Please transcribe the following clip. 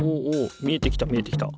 見えてきた見えてきた。